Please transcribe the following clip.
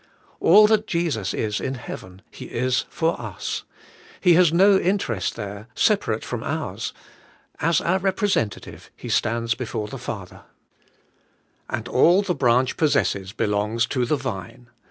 All that Jesus is in heaven. He is for us: He has no interest there separate from ours; as our representa tive He stands before the Father. 38 ABIDE IN CHRIST: % And all the Iranch possesses ielongs to the vine.